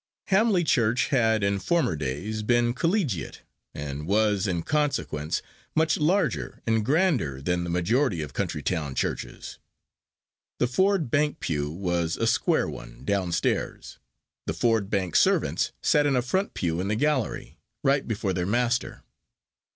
Hamley Church had, in former days, been collegiate, and was, in consequence, much larger and grander than the majority of country town churches. The Ford Bank pew was a square one, downstairs; the Ford Bank servants sat in a front pew in the gallery, right before their master.